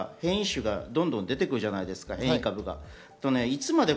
変異株がどんどん出てくるじゃないですか。